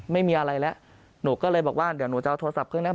ไม่มีอะไรแล้วหนูก็เลยบอกว่าเดี๋ยวหนูจะเอาโทรศัพท์เครื่องนี้